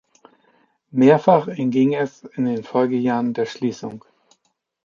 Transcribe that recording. Mehrfach entging es in den Folgejahren der Schließung.